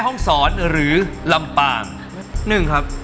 ๑ครับ